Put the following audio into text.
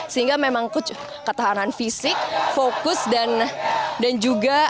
sehingga memang ketahanan fisik fokus dan juga